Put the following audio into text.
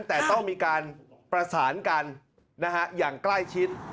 แต่ต้องมีการประสานกันอย่างใกล้ชิด